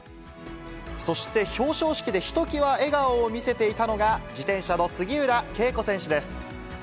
そして表彰式でひときわ笑顔を見せていたのが、自転車の杉浦佳子選手です。